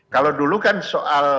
kalau dulu kan soal